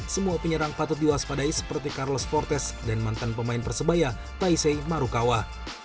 semua penyerang patut diwaspadai seperti carlos portes dan mantan pemain persebaya taisei marukawa